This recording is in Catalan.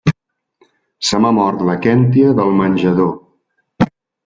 Se m'ha mort la kèntia del menjador.